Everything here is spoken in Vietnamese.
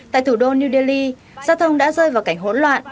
tại thủ đô new delhi giao thông đã rơi vào cảnh hỗn loạn